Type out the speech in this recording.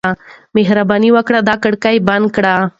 مهرباني وکړه دا کړکۍ بنده کړه.